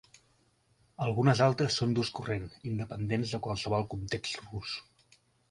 Algunes altres són d'ús corrent, independents de qualsevol context rus.